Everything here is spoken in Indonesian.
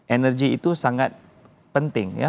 energi itu sangat penting ya